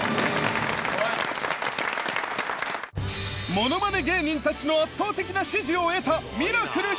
ものまね芸人たちの圧倒的な支持を得た。